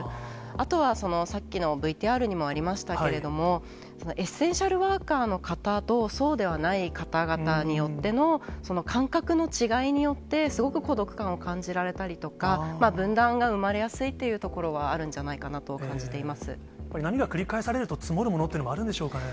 あとは、さっきのＶＴＲにもありましたけれども、エッセンシャルワーカーの方とそうではない方々によっての感覚の違いによって、すごく孤独感を感じられたりとか、分断が生まれやすいというところはあるんじゃないかなとは感じてこれ、波が繰り返されると積もるものっていうのもあるんですかね。